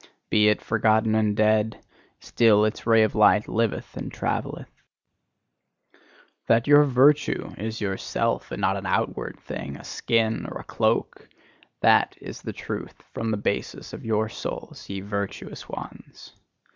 Be it forgotten and dead, still its ray of light liveth and travelleth. That your virtue is your Self, and not an outward thing, a skin, or a cloak: that is the truth from the basis of your souls, ye virtuous ones!